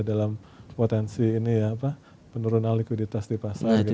dalam potensi ini ya apa penurunan likuiditas di pasar